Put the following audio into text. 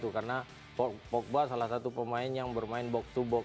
empat satu empat satu karena pogba salah satu pemain yang bermain box to box